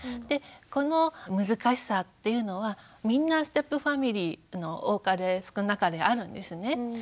でこの難しさっていうのはみんなステップファミリー多かれ少なかれあるんですね。